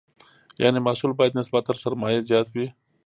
یعنې محصول باید نسبت تر سرمایې زیات وي.